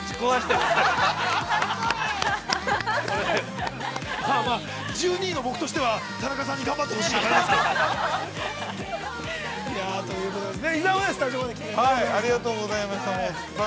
◆まあ、１２位の僕としては、田中さんに頑張ってほしいよね。